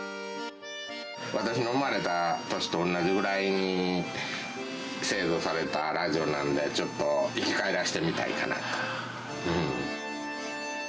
私の生まれた年と同じぐらいに製造されたラジオなんで、ちょっと生き返らせてみたいかなと。